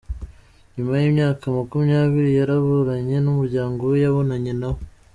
Nyuma y’imyaka makumyabiri yaraburanye n’umuryango we yabonanye na wo